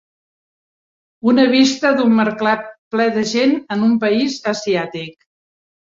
Una vista d'un mercat ple de gent en un país asiàtic.